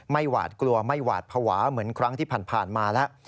หวาดกลัวไม่หวาดภาวะเหมือนครั้งที่ผ่านมาแล้ว